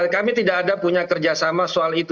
kami tidak ada punya kerjasama soal itu